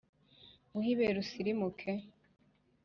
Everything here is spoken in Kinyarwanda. Nguhe ibere usirimuke.